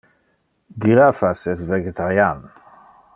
Girafas es vegetarian.